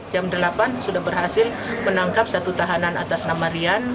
jam delapan sudah berhasil menangkap satu tahanan atas nama rian